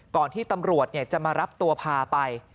ก่อนที่ตำรวจจะมารับตัวพาไป